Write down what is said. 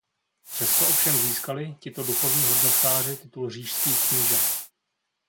Přesto ovšem získali tito duchovní hodnostáři titul říšských knížat.